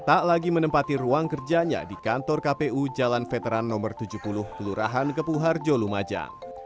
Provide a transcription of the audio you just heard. tak lagi menempati ruang kerjanya di kantor kpu jalan veteran no tujuh puluh kelurahan kepuharjo lumajang